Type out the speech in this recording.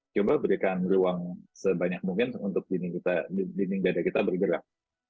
coba berikan ruang sebanyak mungkin untuk dinding dada kita bergerak